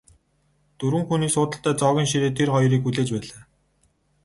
Дөрвөн хүний суудалтай зоогийн ширээ тэр хоёрыг хүлээж байлаа.